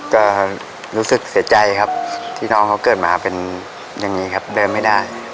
ก็รู้สึกเสียใจครับที่น้องเขาเกิดมาเป็นอย่างนี้ครับเดินไม่ได้